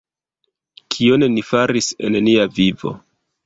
Kion ni faris en nia vivo?